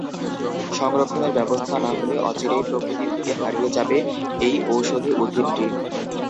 সংরক্ষণের ব্যবস্থা না হলে অচিরেই প্রকৃতি থেকে হারিয়ে যাবে এই ঔষধি উদ্ভিদটি।